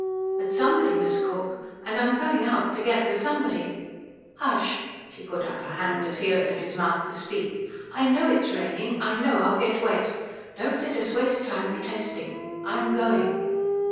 But somebody must cook, and I'm going out to get the somebody. Hush" she put up her hand as he opened his mouth to speak "I know it's raining. I know I'll get wet. Don't let us waste time protesting. I'm going."